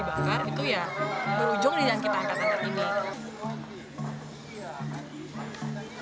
itu ya berujung di yang kita angkat akan ini